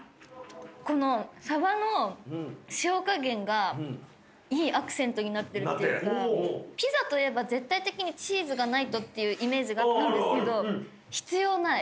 このサバの塩加減がいいアクセントになってるっていうかピザといえば絶対的にチーズがないとっていうイメージがあったんですけど必要ない。